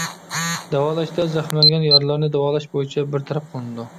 داۋالاشتا زەخىملەنگەن يارىلارنى داۋالاش بويىچە بىر تەرەپ قىلىنىدۇ.